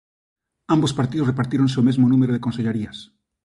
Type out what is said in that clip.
Ambos partidos repartíronse o mesmo número de consellarías.